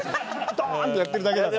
ドーンってやってるだけだから。